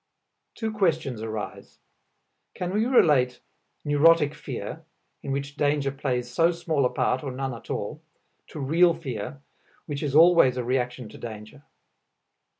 Two questions arise. Can we relate neurotic fear, in which danger plays so small a part or none at all, to real fear, which is always a reaction to danger?